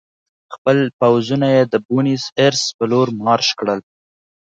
خپل پوځونه یې د بونیس ایرس په لور مارش کړل.